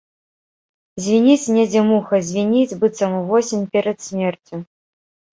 Звініць недзе муха, звініць, быццам увосень, перад смерцю.